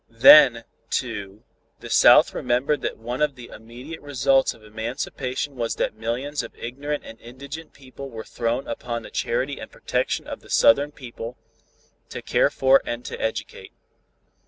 Then, too, the South remembered that one of the immediate results of emancipation was that millions of ignorant and indigent people were thrown upon the charity and protection of the Southern people, to care for and to educate.